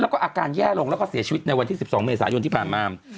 แล้วก็อาการแย่ลงแล้วก็เสียชีวิตในวันที่๑๒เมษายนที่ผ่านมา